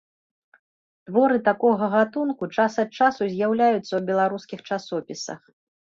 Творы такога гатунку час ад часу з'яўляюцца ў беларускіх часопісах.